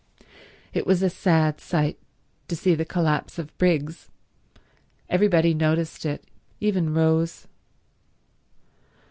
It was a sad sight to see the collapse of Briggs. Everybody noticed it, even Rose.